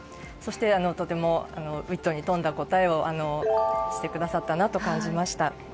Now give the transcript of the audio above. そして、とてもウィットに富んだ答えをしてくださったなと感じました。